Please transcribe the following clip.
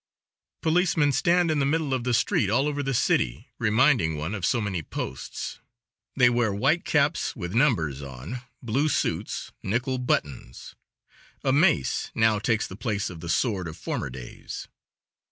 Policemen stand in the middle of the street all over the city, reminding one of so many posts. They wear white caps with numbers on, blue suits, nickel buttons. A mace now takes the place of the sword of former days.